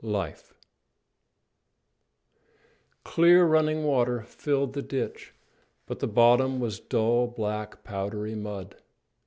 I: LIFE Clear running water filled the ditch, but the bottom was dull black, powdery mud.